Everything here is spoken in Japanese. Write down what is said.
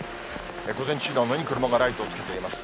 午前中なのに車がライトをつけています。